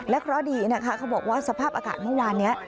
เพราะดีนะคะเขาบอกว่าสภาพอากาศเมื่อวานนี้